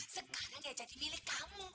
sekarang dia jadi milik kamu